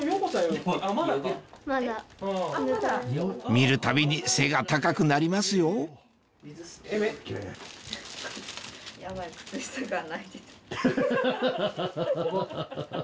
見るたびに背が高くなりますよハハハ！